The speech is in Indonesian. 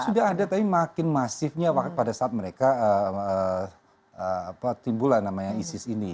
sudah ada tapi makin masifnya pada saat mereka timbulan namanya isis ini